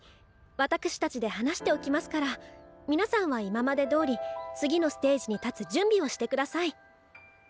わたくしたちで話しておきますから皆さんは今までどおり次のステージに立つ準備をして下さい。